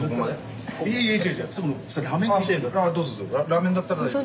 ラーメンだったら大丈夫。